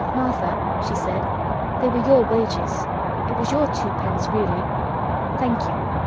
"Martha," she said, "they were your wages. It was your two pence really. Thank you."